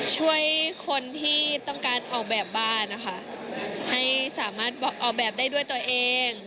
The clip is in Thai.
ช่วยคนที่ต้องการออกแบบบ้านนะคะให้สามารถออกแบบได้ด้วยตัวเอง